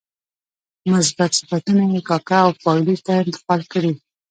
مثبت صفتونه یې کاکه او پایلوچ ته انتقال کړي.